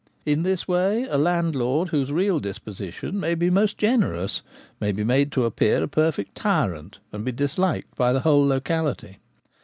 In this way a landlord whose real disposition may be most generous may be made to appear a perfect tyrant, and be disliked by the whole locality.